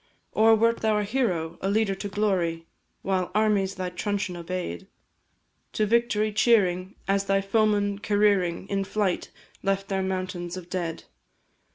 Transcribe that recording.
Or wert thou a hero, a leader to glory, While armies thy truncheon obey'd; To victory cheering, as thy foemen careering In flight, left their mountains of dead?